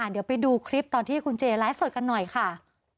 เดี๋ยวไปดูคลิปตอนที่คุณเจไลฟ์สดกันหน่อยค่ะ